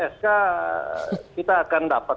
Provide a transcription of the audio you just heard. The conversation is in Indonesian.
sk kita akan dapat